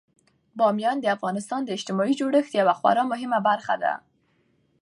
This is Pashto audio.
بامیان د افغانستان د اجتماعي جوړښت یوه خورا مهمه برخه ده.